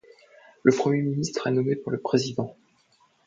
Le Premier ministre est nommé par le Président.